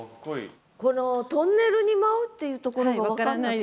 この「トンネルに舞ふ」っていうところが分からなくて。